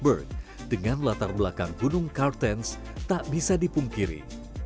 batuan grass bird dengan latar belakang gunung kartens tak bisa dipungkiri